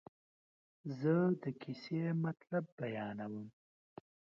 زه د کیسې مطلب بیانوم.